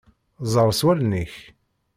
Ẓer s wallen-ik.